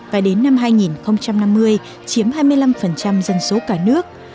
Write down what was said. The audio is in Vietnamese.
và đến năm hai nghìn năm mươi chiếm hai mươi năm dân số cả nước